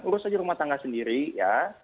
urus aja rumah tangga sendiri ya